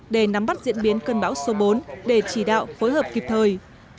để nắm bắt diễn biến cơn bão số bốn để chỉ đạo phối hợp kịp thời